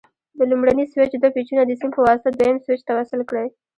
د لومړني سویچ دوه پېچونه د سیم په واسطه دویم سویچ ته وصل کړئ.